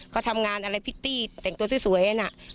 เขาทำงานอะไรพริตตี้แต่งตัวสวยน่ะ